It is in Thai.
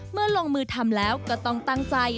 เมื่อลงมือทำแล้วก็ต้องตั้งใจ